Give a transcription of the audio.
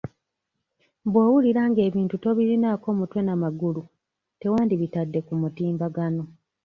Bwowulira ng'ebintu tobirinako mutwe na magulu, tewandibitadde ku mutimbagano.